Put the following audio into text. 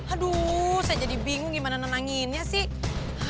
aduh saya jadi bingung gimana nenanginnya sih